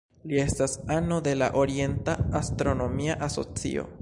Li estas ano de la Orienta Astronomia Asocio.